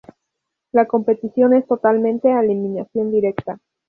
La competición es totalmente a eliminación directa.